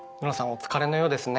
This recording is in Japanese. お疲れのようですね。